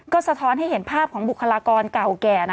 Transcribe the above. ก็สะท้อนให้เห็นภาพของบุคลากรเก่าแก่